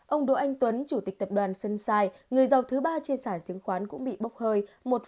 ông đỗ anh tuấn chủ tịch tập đoàn sunshine người giàu thứ ba trên sản chứng khoán cũng bị bốc hơi